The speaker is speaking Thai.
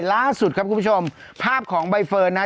ล่าสุดครับคุณผู้ชมภาพของใบเฟิร์นนะ